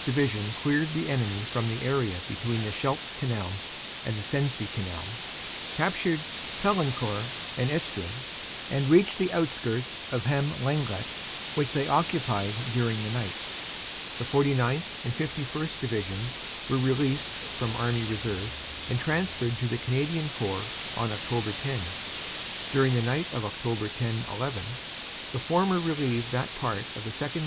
Division cleared the enemy from the area between the Scheldt Canal and the Sensee Canal, captured Paillencourt and Estrun, and reached the outskirts of Hem Lenglet, which they occupied during the night. "The 49th. and 51st. Divisions were released from Army Reserve and transferred to the Canadian Corps on Oct. 10. During the night of Oct. 10 11 the former relieved that part of the 2nd.